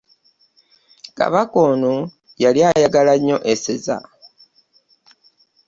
Kabaka ono yali ayagala nnyo Eseza .